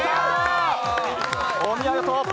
お見事。